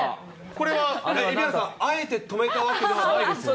これは蛯原さん、あえて止めたわけではないですよね。